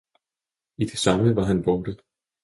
I det samme var han borte.